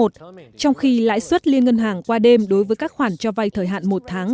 trong khi lãi suất liên ngân hàng qua đêm đối với các khoản cho vay thời hạn một tháng